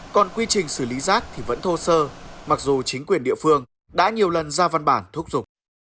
còn quy trình xử lý rác thì vẫn thô sơ mặc dù chính quyền địa phương đã nhiều lần ra văn bản thúc giục